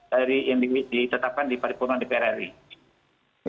ditetapkan di paripurna di prri